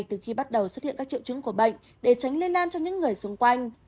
từ khi bắt đầu xuất hiện các triệu chứng của bệnh để tránh lây lan cho những người xung quanh